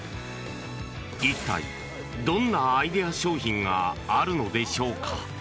一体、どんなアイデア商品があるのでしょうか？